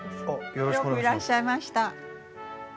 よくいらっしゃいました。